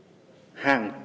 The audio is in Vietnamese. chúng ta sẽ có hàng chục năm